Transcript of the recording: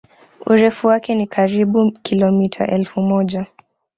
Urefu wake ni karibu kilomIta elfu moja